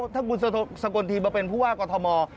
ถ้าคุณสกลทีมาเป็นผู้ว่ากอทม